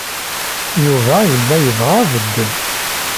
Yuba yella yebɣa abeddel.